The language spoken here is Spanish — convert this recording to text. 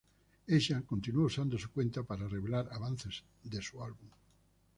Ella continuó usando su cuenta para revelar avances de su álbum.